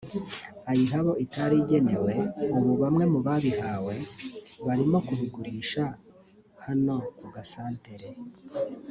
ayiha abo itari yagenewe ubu bamwe mu babihawe barimo kubigurisha hano ku gasantere